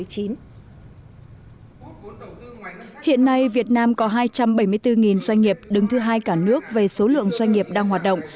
hiện nay việt nam có hai trăm bảy mươi bốn doanh nghiệp đứng thứ hai cả nước về số lượng doanh nghiệp đang hoạt động